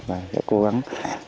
và đã cố gắng